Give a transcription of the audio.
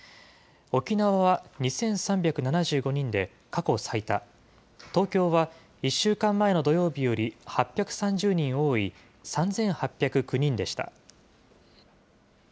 沖縄は２３７５人で過去最多、東京は１週間前の土曜日より８３０人多い３８０９人でした。